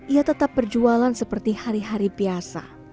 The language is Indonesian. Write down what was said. ia tetap berjualan seperti hari hari biasa